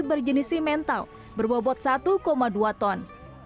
berjenis simental berbobot satu dua ton